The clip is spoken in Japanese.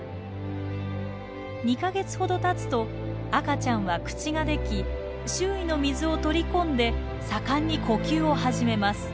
２か月ほどたつと赤ちゃんは口ができ周囲の水を取り込んで盛んに呼吸を始めます。